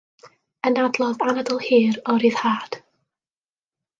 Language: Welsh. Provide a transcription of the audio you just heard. Anadlodd anadl hir o ryddhad.